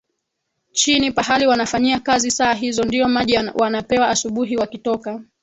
chini pahali wanafanyia kazi saa hizo ndio maji wanapewa asubuhi wakitoka